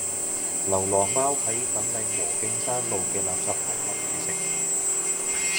流浪貓喺粉嶺禾徑山路嘅垃圾桶搵野食